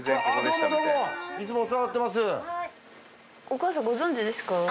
お母さんご存じですか？